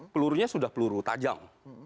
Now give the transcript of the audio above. pelurunya sudah peluru tajam